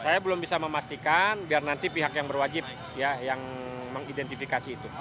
saya belum bisa memastikan biar nanti pihak yang berwajib yang mengidentifikasi itu